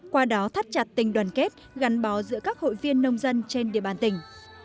qua đó thắt chặt tình đoàn kết gắn bó giữa các hội viên nông dân trên địa bàn tỉnh